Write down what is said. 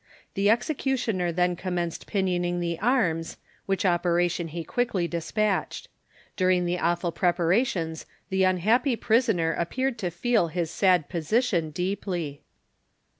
The executioner then commenced pinioning the arms, which operation he quickly dispatched. During the awful preparations the unhappy prisoner appeared to feel his sad position deeply.